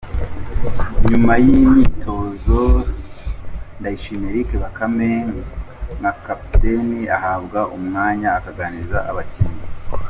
Nyuma y'imyitozo Ndayishimiye Eric Bakame nka Kapiteni ahabwa umwanya akaganiriza abakinnyi .